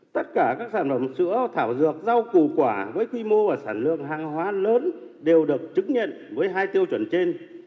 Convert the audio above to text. tất cả các sản phẩm sữa thảo dược rau củ quả với quy mô và sản lượng hàng hóa lớn đều được chứng nhận với hai tiêu chuẩn trên